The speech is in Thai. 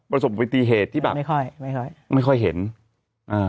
ประสบปฏิเหตุที่แบบไม่ค่อยไม่ค่อยไม่ค่อยเห็นอ่า